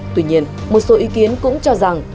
tuy nhiên một số ý kiến cũng cho rằng